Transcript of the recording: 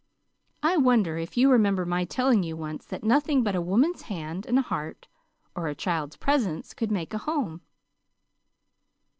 "I wonder if you remember my telling you once that nothing but a woman's hand and heart, or a child's presence could make a home."